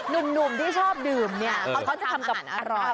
หนุ่มที่ชอบดื่มเนี่ยเขาจะทำกับอร่อย